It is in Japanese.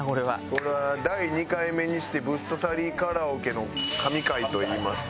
これは第２回目にしてブッ刺さりカラオケの神回といいますか。